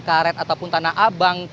karet ataupun tanah abang